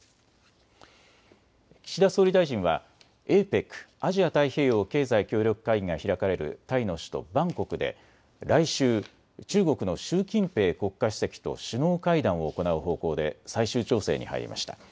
岸田総理大臣はＡＰＥＣ・アジア太平洋経済協力会議が開かれるタイの首都バンコクで来週、中国の習近平国家主席と首脳会談を行う方向で最終調整に入りました。